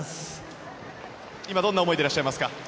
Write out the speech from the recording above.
今どんな思いでいらっしゃいますか？